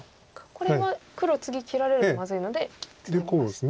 これは黒次切られるとまずいのでツナぎます。